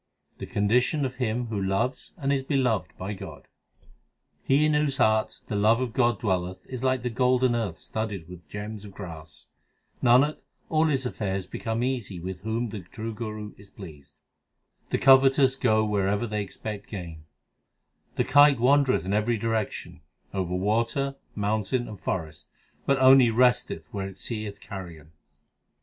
The condition of him who loves and is beloved by God : He in whose heart the love of God dwelleth is like the golden earth studded with gems of grass. Nanak, all his affairs become easy with whom the true Guru is pleased. The covetous go wherever they expect gain : The kite wandereth in every direction over water, moun tain, and forest, But only resteth where it seeth carrion.